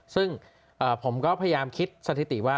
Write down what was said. ซึ่งผมก็พยายามคิดสถิติว่า